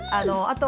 あと